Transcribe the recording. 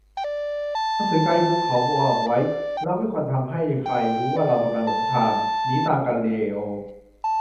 "หนังสือไกด์บุ๊กเขาบอกไว้ เราไม่ควรทำให้ใครรู้ว่าเรากำลังหลงทาง " หนีตามกาลิเลโอ